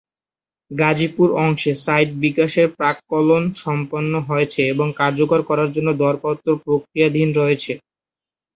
গাজীপুর অংশে সাইট বিকাশের প্রাক্কলন সম্পন্ন হয়েছে এবং কার্যকর করার জন্য দরপত্র প্রক্রিয়াধীন রয়েছে।